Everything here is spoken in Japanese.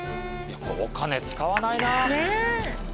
お金使わないな！ねえ。